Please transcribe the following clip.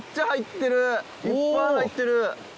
いっぱい入ってる！